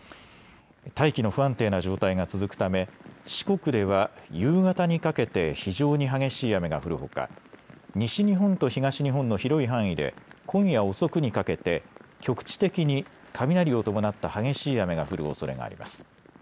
大気の不安定な状態が続くため四国では夕方にかけて非常に激しい雨が降るほか西日本と東日本の広い範囲で今夜遅くにかけて局地的に雷を伴った激しい雨が降るおそれがあります。